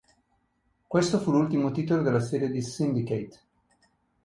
Questo fu l'ultimo titolo della serie di "Syndicate".